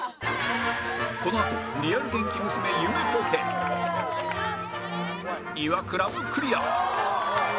このあとリアル元気娘ゆめぽてイワクラもクリア